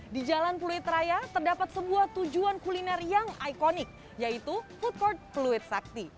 di jalan pulit raya terdapat sebuah tujuan kuliner yang ikonik yaitu food court pluit sakti